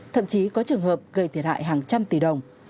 thậm chí có trường hợp gây thiệt hại hàng trăm tỷ đồng